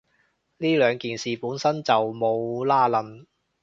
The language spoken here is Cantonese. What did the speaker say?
呢兩件事本身就冇拏褦